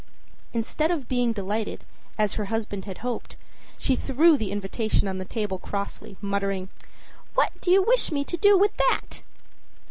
Instead of being delighted, as her husband had hoped, she threw the invitation on the table crossly, muttering: âWhat do you wish me to do with that?